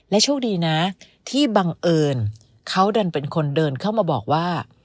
โชคดีนะที่บังเอิญเขาดันเป็นคนเดินเข้ามาบอกว่า